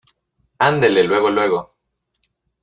andele, luego , luego.